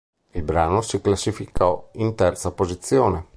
Il brano si classificò in terza posizione.